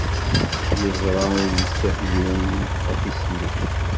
Yeẓra ur yettaf yiwen ad t-isellek.